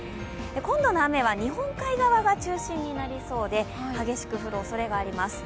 今度の雨は日本海側が中心になりそうで激しく降るおそれがあります。